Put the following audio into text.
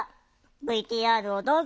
ＶＴＲをどうぞ。